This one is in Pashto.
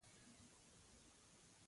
لرګی د سندرو آلو غږ ته خوږوالی ورکوي.